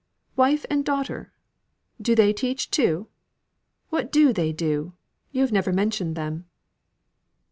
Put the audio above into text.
"Wife and daughter! Do they teach too? What do they do? You have never mentioned them."